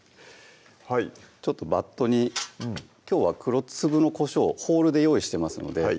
はいちょっとバットにきょうは黒粒のこしょうホールで用意してますのでは